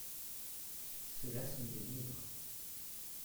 Ceux-là sont des livres.